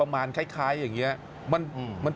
นางยังเหรอ